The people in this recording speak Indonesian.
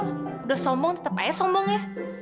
udah sombong tetep aja sombong ya